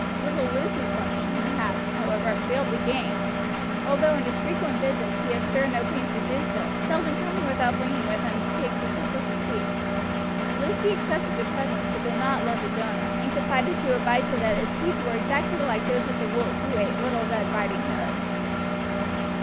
Little Lucy's liking he had, however, failed to gain, although in his frequent visits he had spared no pains to do so, seldom coming without bringing with him cakes or papers of sweets. Lucy accepted the presents, but did not love the donor, and confided to Abijah that his teeth were exactly like those of the wolf who ate Little Red Riding Hood.